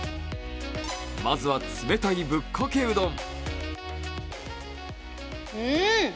まずは、冷たいぶっかけうどん。